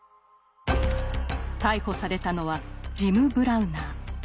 逮捕されたのはジム・ブラウナー。